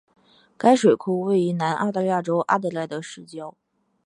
该水库位于南澳大利亚州阿德莱德市郊。